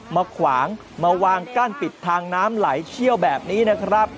ขวางมาวางกั้นปิดทางน้ำไหลเชี่ยวแบบนี้นะครับ